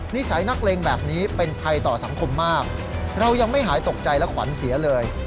นิสัยนักเลงแบบนี้เป็นภัยต่อสังคมมากเรายังไม่หายตกใจและขวัญเสียเลย